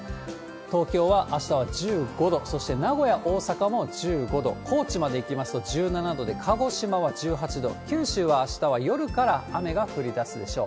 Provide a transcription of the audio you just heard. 東京はあしたは１５度、そして名古屋、大阪も１５度、高知までいきますと１７度で、鹿児島は１８度、九州はあしたは夜から雨が降りだすでしょう。